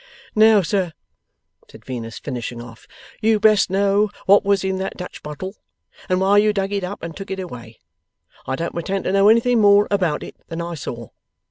'Now, sir,' said Venus, finishing off; 'you best know what was in that Dutch bottle, and why you dug it up, and took it away. I don't pretend to know anything more about it than I saw.